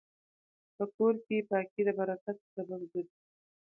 په کور کې پاکي د برکت سبب ګرځي.